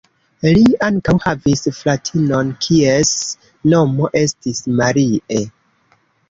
Li ankaŭ havis fratinon kies nomo estis Marie.